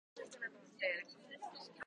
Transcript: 学園祭は楽しいです。